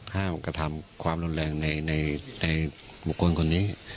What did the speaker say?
กระทำความรุนแรงในบุคคลคนนี้